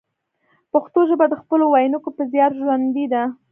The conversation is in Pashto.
پښتو ژبه د خپلو ویونکو په زیار ژوندۍ ده